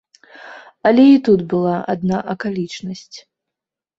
Але і тут была адна акалічнасць.